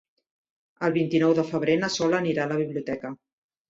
El vint-i-nou de febrer na Sol anirà a la biblioteca.